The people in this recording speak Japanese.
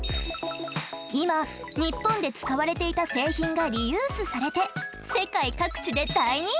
今ニッポンで使われていた製品がリユースされて世界各地で大人気！